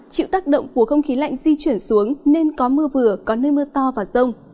chịu tác động của không khí lạnh di chuyển xuống nên có mưa vừa có nơi mưa to và rông